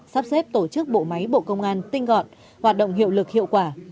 sắp xếp tổ chức bộ máy bộ công an tinh gọn hoạt động hiệu lực hiệu quả